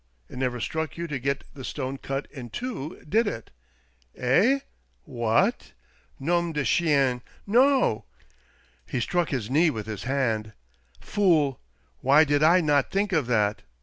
"It never struck you to get the stone cut in two, did it?" "Eh? What?— ^ow de chien ! No!" He struck his knee with his hand. "Fool! Why did I not think of that